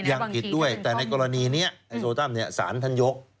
ยังกิจด้วยแต่ในกรณีนี้ไอ้โทรศัพท์สารทันยก